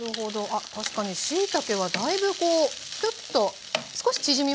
あっ確かにしいたけはだいぶちょっと少し縮みますね。